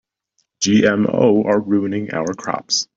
GMO are ruining our crops.